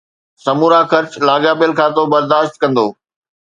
سمورا خرچ لاڳاپيل کاتو برداشت ڪندو